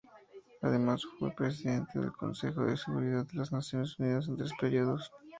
Además fue Presidente del Consejo de Seguridad de las Naciones Unidas en tres periodos.